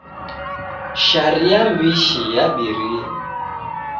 Sharia m'bishi yabirie.